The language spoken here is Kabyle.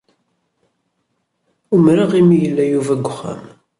Umreɣ imi ay yella Yuba deg wexxam.